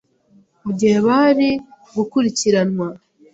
mu gihe bari gukurikiranwa